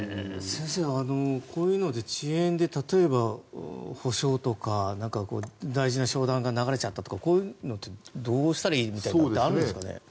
先生、こういうので遅延で例えば補償とか大事な商談が流れちゃったとかこういうのってどうしたらいいみたいなのってあるんですかね。